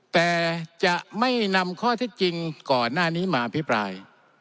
แต่จะไม่นำข้อที่จริงก่อนหน้านี้มาอภิปราย